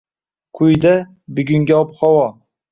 Quyida: Bugungi ob -havo